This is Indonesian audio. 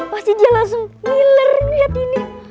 pasti dia langsung ngiler lihat ini